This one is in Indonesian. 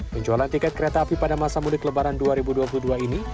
penjualan tiket kereta api pada masa mudik lebaran dua ribu dua puluh dua ini